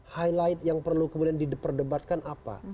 highlight yang perlu kemudian diperdebatkan apa